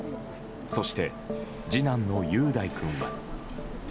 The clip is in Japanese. そして次男の雄大君は。